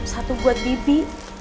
satu buat bibi